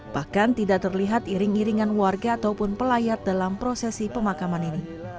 bahkan tidak terlihat iring iringan warga ataupun pelayat dalam prosesi pemakaman ini